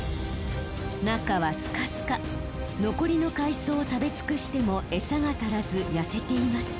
残りの海藻を食べ尽くしても餌が足らず痩せています。